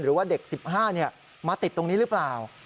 หรือว่าเด็ก๑๕มาติดตรงนี้หรือเปล่า